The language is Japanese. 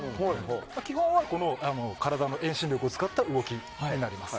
基本はこの体の遠心力を使った動きになります。